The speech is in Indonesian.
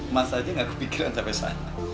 mas aja gak kepikiran sampai saya